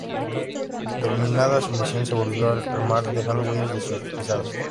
Terminada su misión se volvió al mar, dejando huellas de sus pisadas.